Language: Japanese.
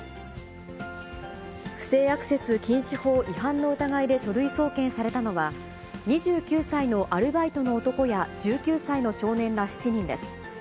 不正アクセス禁止法違反の疑いで書類送検されたのは、２９歳のアルバイトの男や１９歳の少年ら７人です。